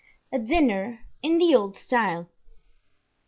A Dinner in the Old Style.